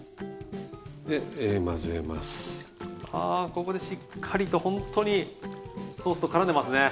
ここでしっかりとほんとにソースとからんでますね。